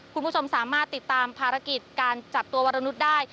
คุณผู้ชมสามารถติดตามภารกิจการจับตัววรนุษย์ได้